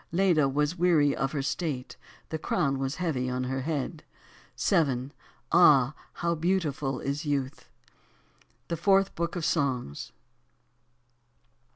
'Leda was weary of her state j the crown was heaxy on her head 7. Ai&, hov3 beautiful is youth THE FOURTH BOOK OF SONGS.